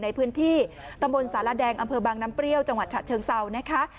ในพื้นที่ตำบลสารแดงอำเภอบางน้ำเปรี้ยวจังหวัดฉะเชิงเซานะคะ